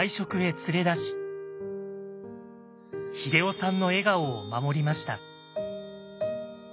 連れ出し英夫さんの笑顔を守りました。